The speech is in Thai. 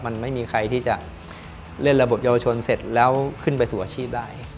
มันไม่มีใครที่จะเล่นระบบเยาวชนเสร็จแล้วขึ้นไปสู่อาชีพได้